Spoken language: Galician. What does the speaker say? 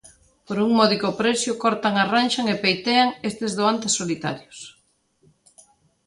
Por un módico prezo, cortan, arranxan e peitean estes doantes solidarios.